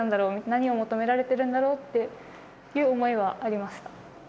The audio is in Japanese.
何を求められてるんだろうっていう思いはありました。